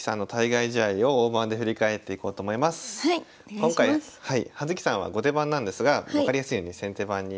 今回葉月さんは後手番なんですが分かりやすいように先手番にしました。